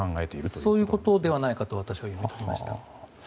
そういうことではないかと私は考えています。